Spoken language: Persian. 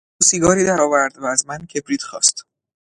او سیگاری در آورد و از من کبریت خواست.